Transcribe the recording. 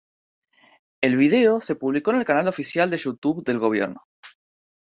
El video se publicó en el canal oficial de YouTube del gobierno.